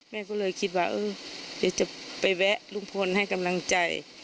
แม่ก็เลยคิดว่าเออเดี๋ยวจะไปแวะลุงพลให้กำลังใจ